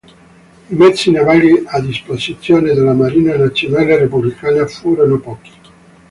I mezzi navali a disposizione della Marina Nazionale Repubblicana furono pochi.